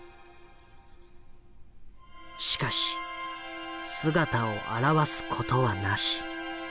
しかし姿を現すことはなし。